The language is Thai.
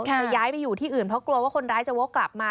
จะย้ายไปอยู่ที่อื่นเพราะกลัวว่าคนร้ายจะวกกลับมา